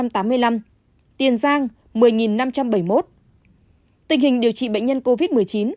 tình hình điều trị bệnh nhân covid một mươi chín